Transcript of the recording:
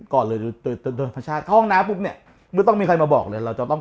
ก่อนเลยห้องน้ำปุ๊บเนี่ยไม่ต้องมีใครมาบอกเลยเราจะต้อง